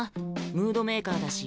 ムードメーカーだし